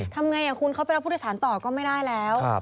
ทำไงคุณเขาไปรับผู้โดยสารต่อก็ไม่ได้แล้ว